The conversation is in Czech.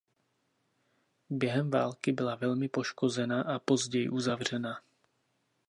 Během války byla velmi poškozena a a později uzavřena.